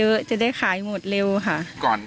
การแก้เคล็ดบางอย่างแค่นั้นเอง